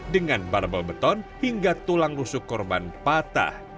dengan barbel beton hingga tulang rusuk korban patah